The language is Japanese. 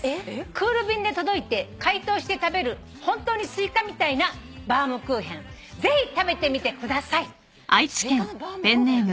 「クール便で届いて解凍して食べる本当にすいかみたいなバウムクーヘン」「ぜひ食べてみてください」すいかのバウムクーヘン。